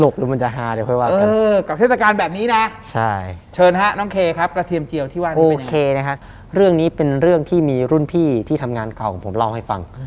กุ้นพี่ที่ทำงานเก่าของผมเล่าให้ฟัง